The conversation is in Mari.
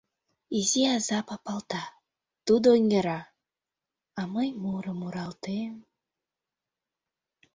— Изи аза папалта, — тудо эҥыра, — а мый мурым муралтем...